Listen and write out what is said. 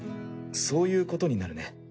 そういうことになるね。